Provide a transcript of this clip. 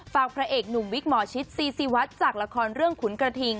พระเอกหนุ่มวิกหมอชิดซีซีวัดจากละครเรื่องขุนกระทิง